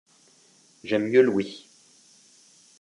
J’aime mieux Louis